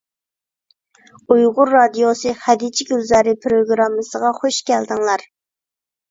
ئۇيغۇر رادىيوسى «خەدىچە گۈلزارى» پىروگراممىسىغا خۇش كەلدىڭلار!